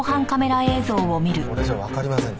これじゃわかりませんね。